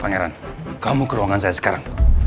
pangeran kamu ke ruangan saya sekarang